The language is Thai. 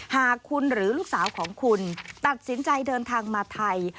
หากคุณหรือลูกสาวของคุณตัดสินใจเดินทางมาไทย